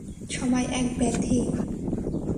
সময় এক ব্যাধি।